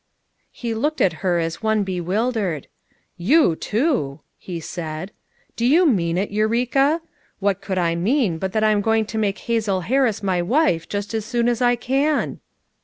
He looked at her as one bewildered. "You, too!" he said. "Do you mean it, Eureka? What could I mean but that I am going to make Hazel Harris my wife just as soon as I can?"